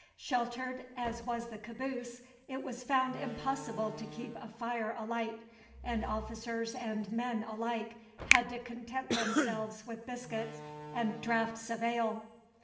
Sheltered as was the caboose, it was found impossible to keep a fire alight, and officers and men, alike, had to content themselves with biscuit and draughts of ale.